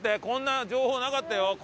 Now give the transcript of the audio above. こんな情報なかったよ